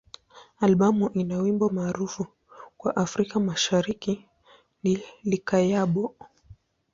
Albamu ina wimbo maarufu kwa Afrika Mashariki ni "Likayabo.